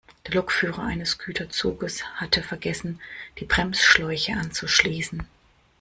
Der Lokführer eines Güterzuges hatte vergessen, die Bremsschläuche anzuschließen.